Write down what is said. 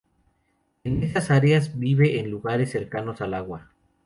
En esas áreas vive en lugares cercanos al agua.